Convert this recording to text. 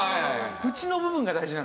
縁の部分が大事なんだ。